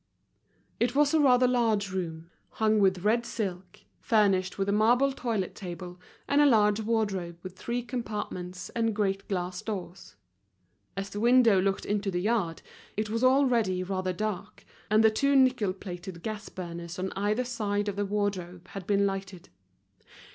It was a rather large room, hung with red silk, furnished with a marble toilet table and a large wardrobe with three compartments and great glass doors. As the window looked into the yard, it was already rather dark, and the two nickel plated gas burners on either side of the wardrobe had been lighted.